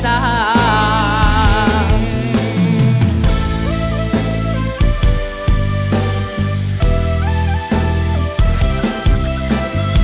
หักไหว้อ่อยไฟ